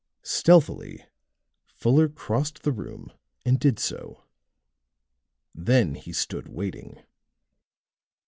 Stealthily Fuller crossed the room and did so; then he stood waiting.